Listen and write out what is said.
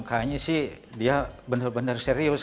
kayaknya sih dia benar benar serius